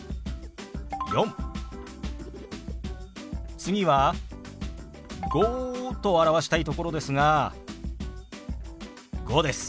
次は「５」と表したいところですが「５」です。